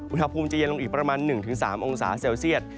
อุณหภูมิจะเย็นลงอีกประมาณ๑๓องศาเซลเซียต